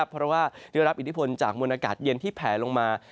เพราะว่าได้รับอิทธิพลจากมวลอากาศเย็นที่แผลลงมา